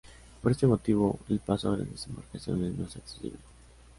Por este motivo, el paso a grandes embarcaciones no es accesible.